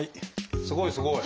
すごいすごい。